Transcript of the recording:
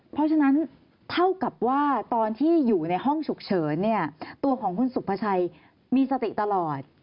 เพราะฉะนั้นเท่ากับว่าตอนที่อยู่ในห้องฉุกเฉินเนี่ยตัวของคุณสุภาชัยมีสติตลอด